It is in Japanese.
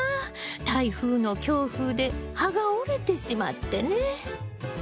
台風の強風で葉が折れてしまってね。